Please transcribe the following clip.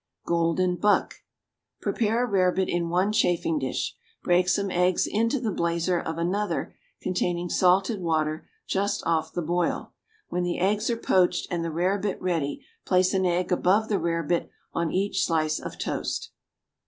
=Golden Buck.= Prepare a rarebit in one chafing dish; break some eggs into the blazer of another containing salted water just "off the boil." When the eggs are poached and the rarebit ready, place an egg above the rarebit on each slice of toast.